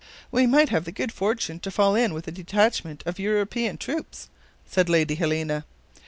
"We might have the good fortune to fall in with a detachment of European troops," said Lady Helena.